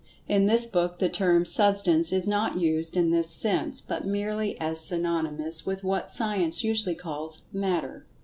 (In this book the term "Substance" is not used in this sense, but merely as synonymous with what Science usually calls "Matter.")